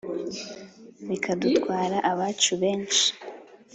Bikadutwara abacu benshi